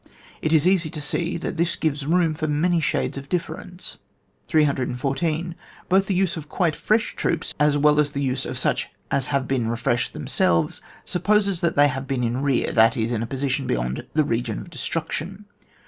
It is easy to see that this gives room for many shades of difference. 314. Both the use of quite fresh troops, as well as the use of such as have re freshed themselves supposes that they have been in rear — ^that is, in a position beyond the region of destruction.